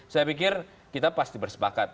saya pikir kita pasti bersepakat